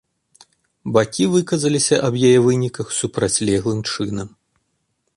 Бакі выказаліся аб яе выніках супрацьлеглым чынам.